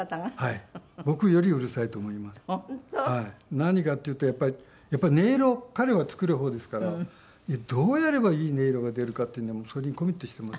何かっていうとやっぱり音色を彼は作る方ですからどうやればいい音色が出るかっていうのでそれにコミットしていますんで。